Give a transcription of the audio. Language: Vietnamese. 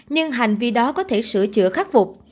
nhưng hành vi đó có thể sửa chữa khắc phục